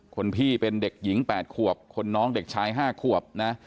คนพี่เป็นเด็กหญิง๘ขวบคนน้องเด็กชาย๕ขวบนะ